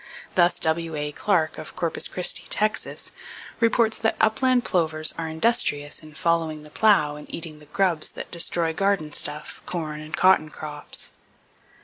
Thus W.A. Clark, of Corpus Christi, Tex., reports that upland plovers are industrious in following the plow and in eating the grubs that destroy garden stuff, corn, and cotton crops.